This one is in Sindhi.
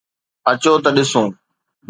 اچو ته ڏسون.